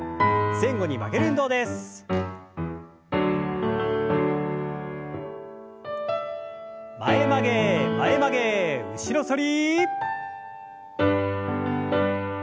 前曲げ前曲げ後ろ反り。